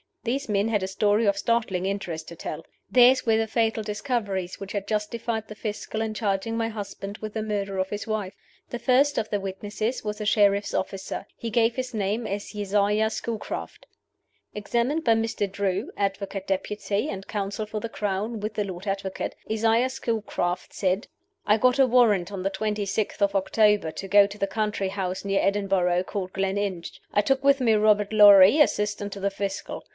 These men had a story of startling interest to tell. Theirs were the fatal discoveries which had justified the Fiscal in charging my husband with the murder of his wife. The first of the witnesses was a sheriff's officer. He gave his name as Isaiah Schoolcraft. Examined by Mr. Drew Advocate Depute, and counsel for the Crown, with the Lord Advocate Isaiah Schoolcraft said: "I got a warrant on the twenty sixth of October to go to the country house near Edinburgh called Gleninch. I took with me Robert Lorrie, assistant to the Fiscal.